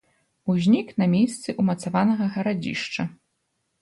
Узнік на месцы ўмацаванага гарадзішча.